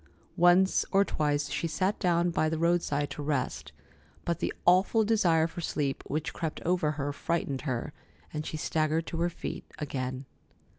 Once or twice she sat down by the roadside to rest, but the awful desire for sleep which crept over her frightened her, and she staggered to her feet again.